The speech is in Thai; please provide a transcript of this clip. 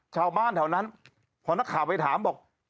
ชาวบ้านแถวนั้นพอนักข่าวไปถามบอก